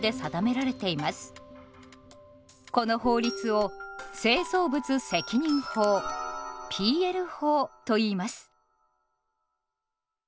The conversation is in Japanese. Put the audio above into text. この法律を製造物責任法ＰＬ法といいます。